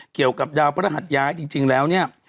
เกี่ยวกับดาวพระหัสย้ายจริงแล้วเนี่ย